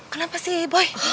kenapa sih boy